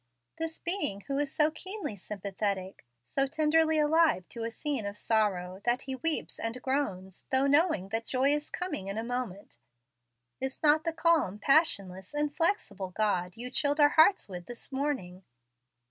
This Being who is so keenly sympathetic, so tenderly alive to a spene of sorrow, that He weeps and groans, though knowing that joy is coming in a moment, is not the calm, passionless, inflexible God you chilled our hearts with this morning.